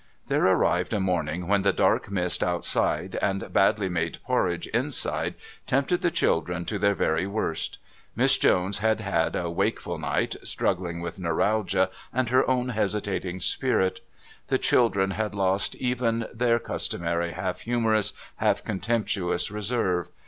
There arrived a morning when the dark mist outside and badly made porridge inside tempted the children to their very worst. Miss Jones had had a wakeful night struggling with neuralgia and her own hesitating spirit. The children had lost even their customary half humourous, half contemptuous reserve.